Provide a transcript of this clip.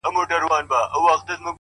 تڼاکي زړه چي د ښکلا په جزيرو کي بند دی-